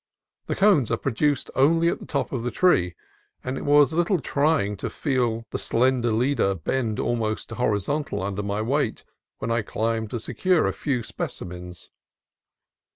The cones are produced only at the top of the tree, and it was a little trying to feel the slender leader bend almost to horizontal under my weight when I climbed to secure a few specimens.